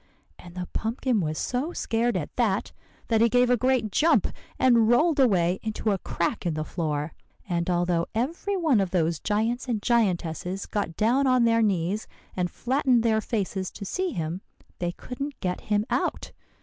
And the pumpkin was so scared at that, that he gave a great jump, and rolled away into a crack in the floor; and although every one of those giants and giantesses got down on their knees and flattened their faces to see him, they couldn't get him out.